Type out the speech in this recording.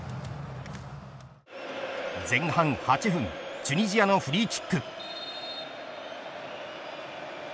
前半８分チュニジアのフリーキック。